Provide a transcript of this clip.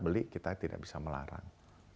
beli kita tidak bisa melarang